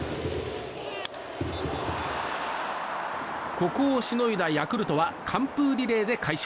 ここをしのいだヤクルトは完封リレーで快勝。